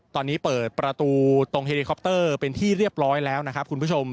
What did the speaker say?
ตอนนี้เปิดประตูตรงเฮลิคอปเตอร์เป็นที่เรียบร้อยแล้วนะครับคุณผู้ชม